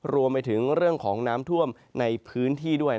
รวมไปถึงเรื่องของน้ำท่วมในพื้นที่ด้วย